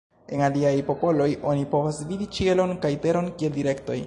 En aliaj popoloj oni povas vidi ĉielon kaj teron kiel direktoj.